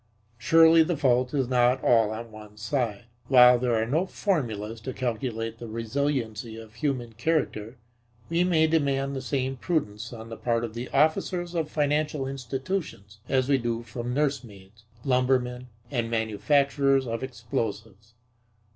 Surely the fault is not all on one side. While there are no formulas to calculate the resiliency of human character, we may demand the same prudence on the part of the officers of financial institutions as we do from nursemaids, lumbermen and manufacturers of explosives.